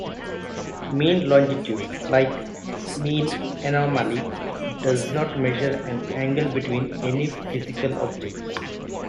Mean longitude, like mean anomaly, does not measure an angle between any physical objects.